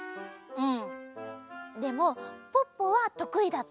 うん。